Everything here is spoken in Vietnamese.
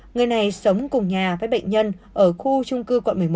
người này sống cùng nhà với bệnh nhân ở khu chung cư quận bình thạnh